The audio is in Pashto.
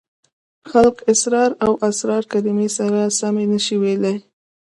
خلک اسرار او اصرار کلمې سمې نشي ویلای.